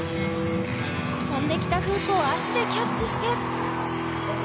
飛んできたフープを足でキャッチして。